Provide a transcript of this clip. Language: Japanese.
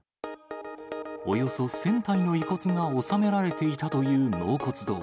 およそ１０００体の遺骨が納められていたという納骨堂。